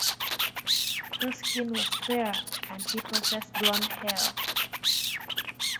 Her skin was fair and she possessed blonde hair.